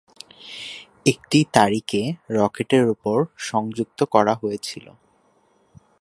এটিকে তারিখে রকেটের উপরে সংযুক্ত করা হয়েছিল।